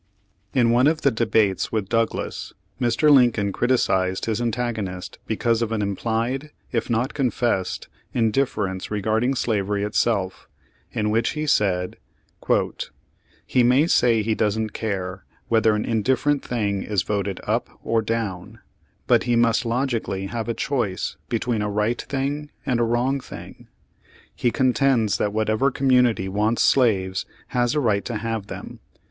In one of the debates with Douglas, Mr. Lincoln criticised his antagonist because of an implied, if not confessed indifference regarding slavery itself, in which he said : "He may say he doesn't care whether an indifferent thing is voted up or down, but he must logically have a choice between a right thing and a wrong thing. He contends that whatever community wants slaves has a right to have them.